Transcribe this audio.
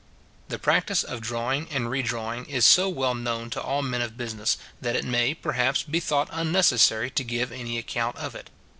The practice of drawing and redrawing is so well known to all men of business, that it may, perhaps, be thought unnecessary to give any account of it.